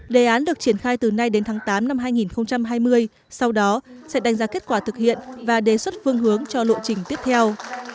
đề án được triển khai từ nay đến tháng tám năm hai nghìn hai mươi sau đó sẽ đánh giá kết quả thực hiện và đề xuất phương hướng cho lộ trình tiếp theo